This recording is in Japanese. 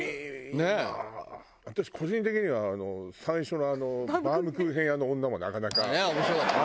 私個人的には最初のバウムクーヘン屋の女もなかなか。面白かったね。